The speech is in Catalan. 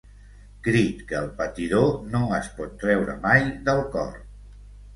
Crit que el patidor no es pot treure mai del cor.